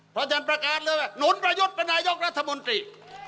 เพราะฉันประกาศเลือกหนุนประยุทธ์เป็นนายุครัฐมนตรี